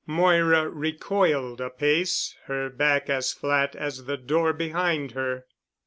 Moira recoiled a pace, her back as flat as the door behind her.